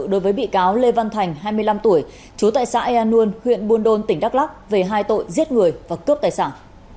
đối với bị cáo lê văn thành hai mươi năm tuổi chú tại xã eanun huyện buôn đôn tỉnh đắk lắc về hai tội giết người và cướp tài sản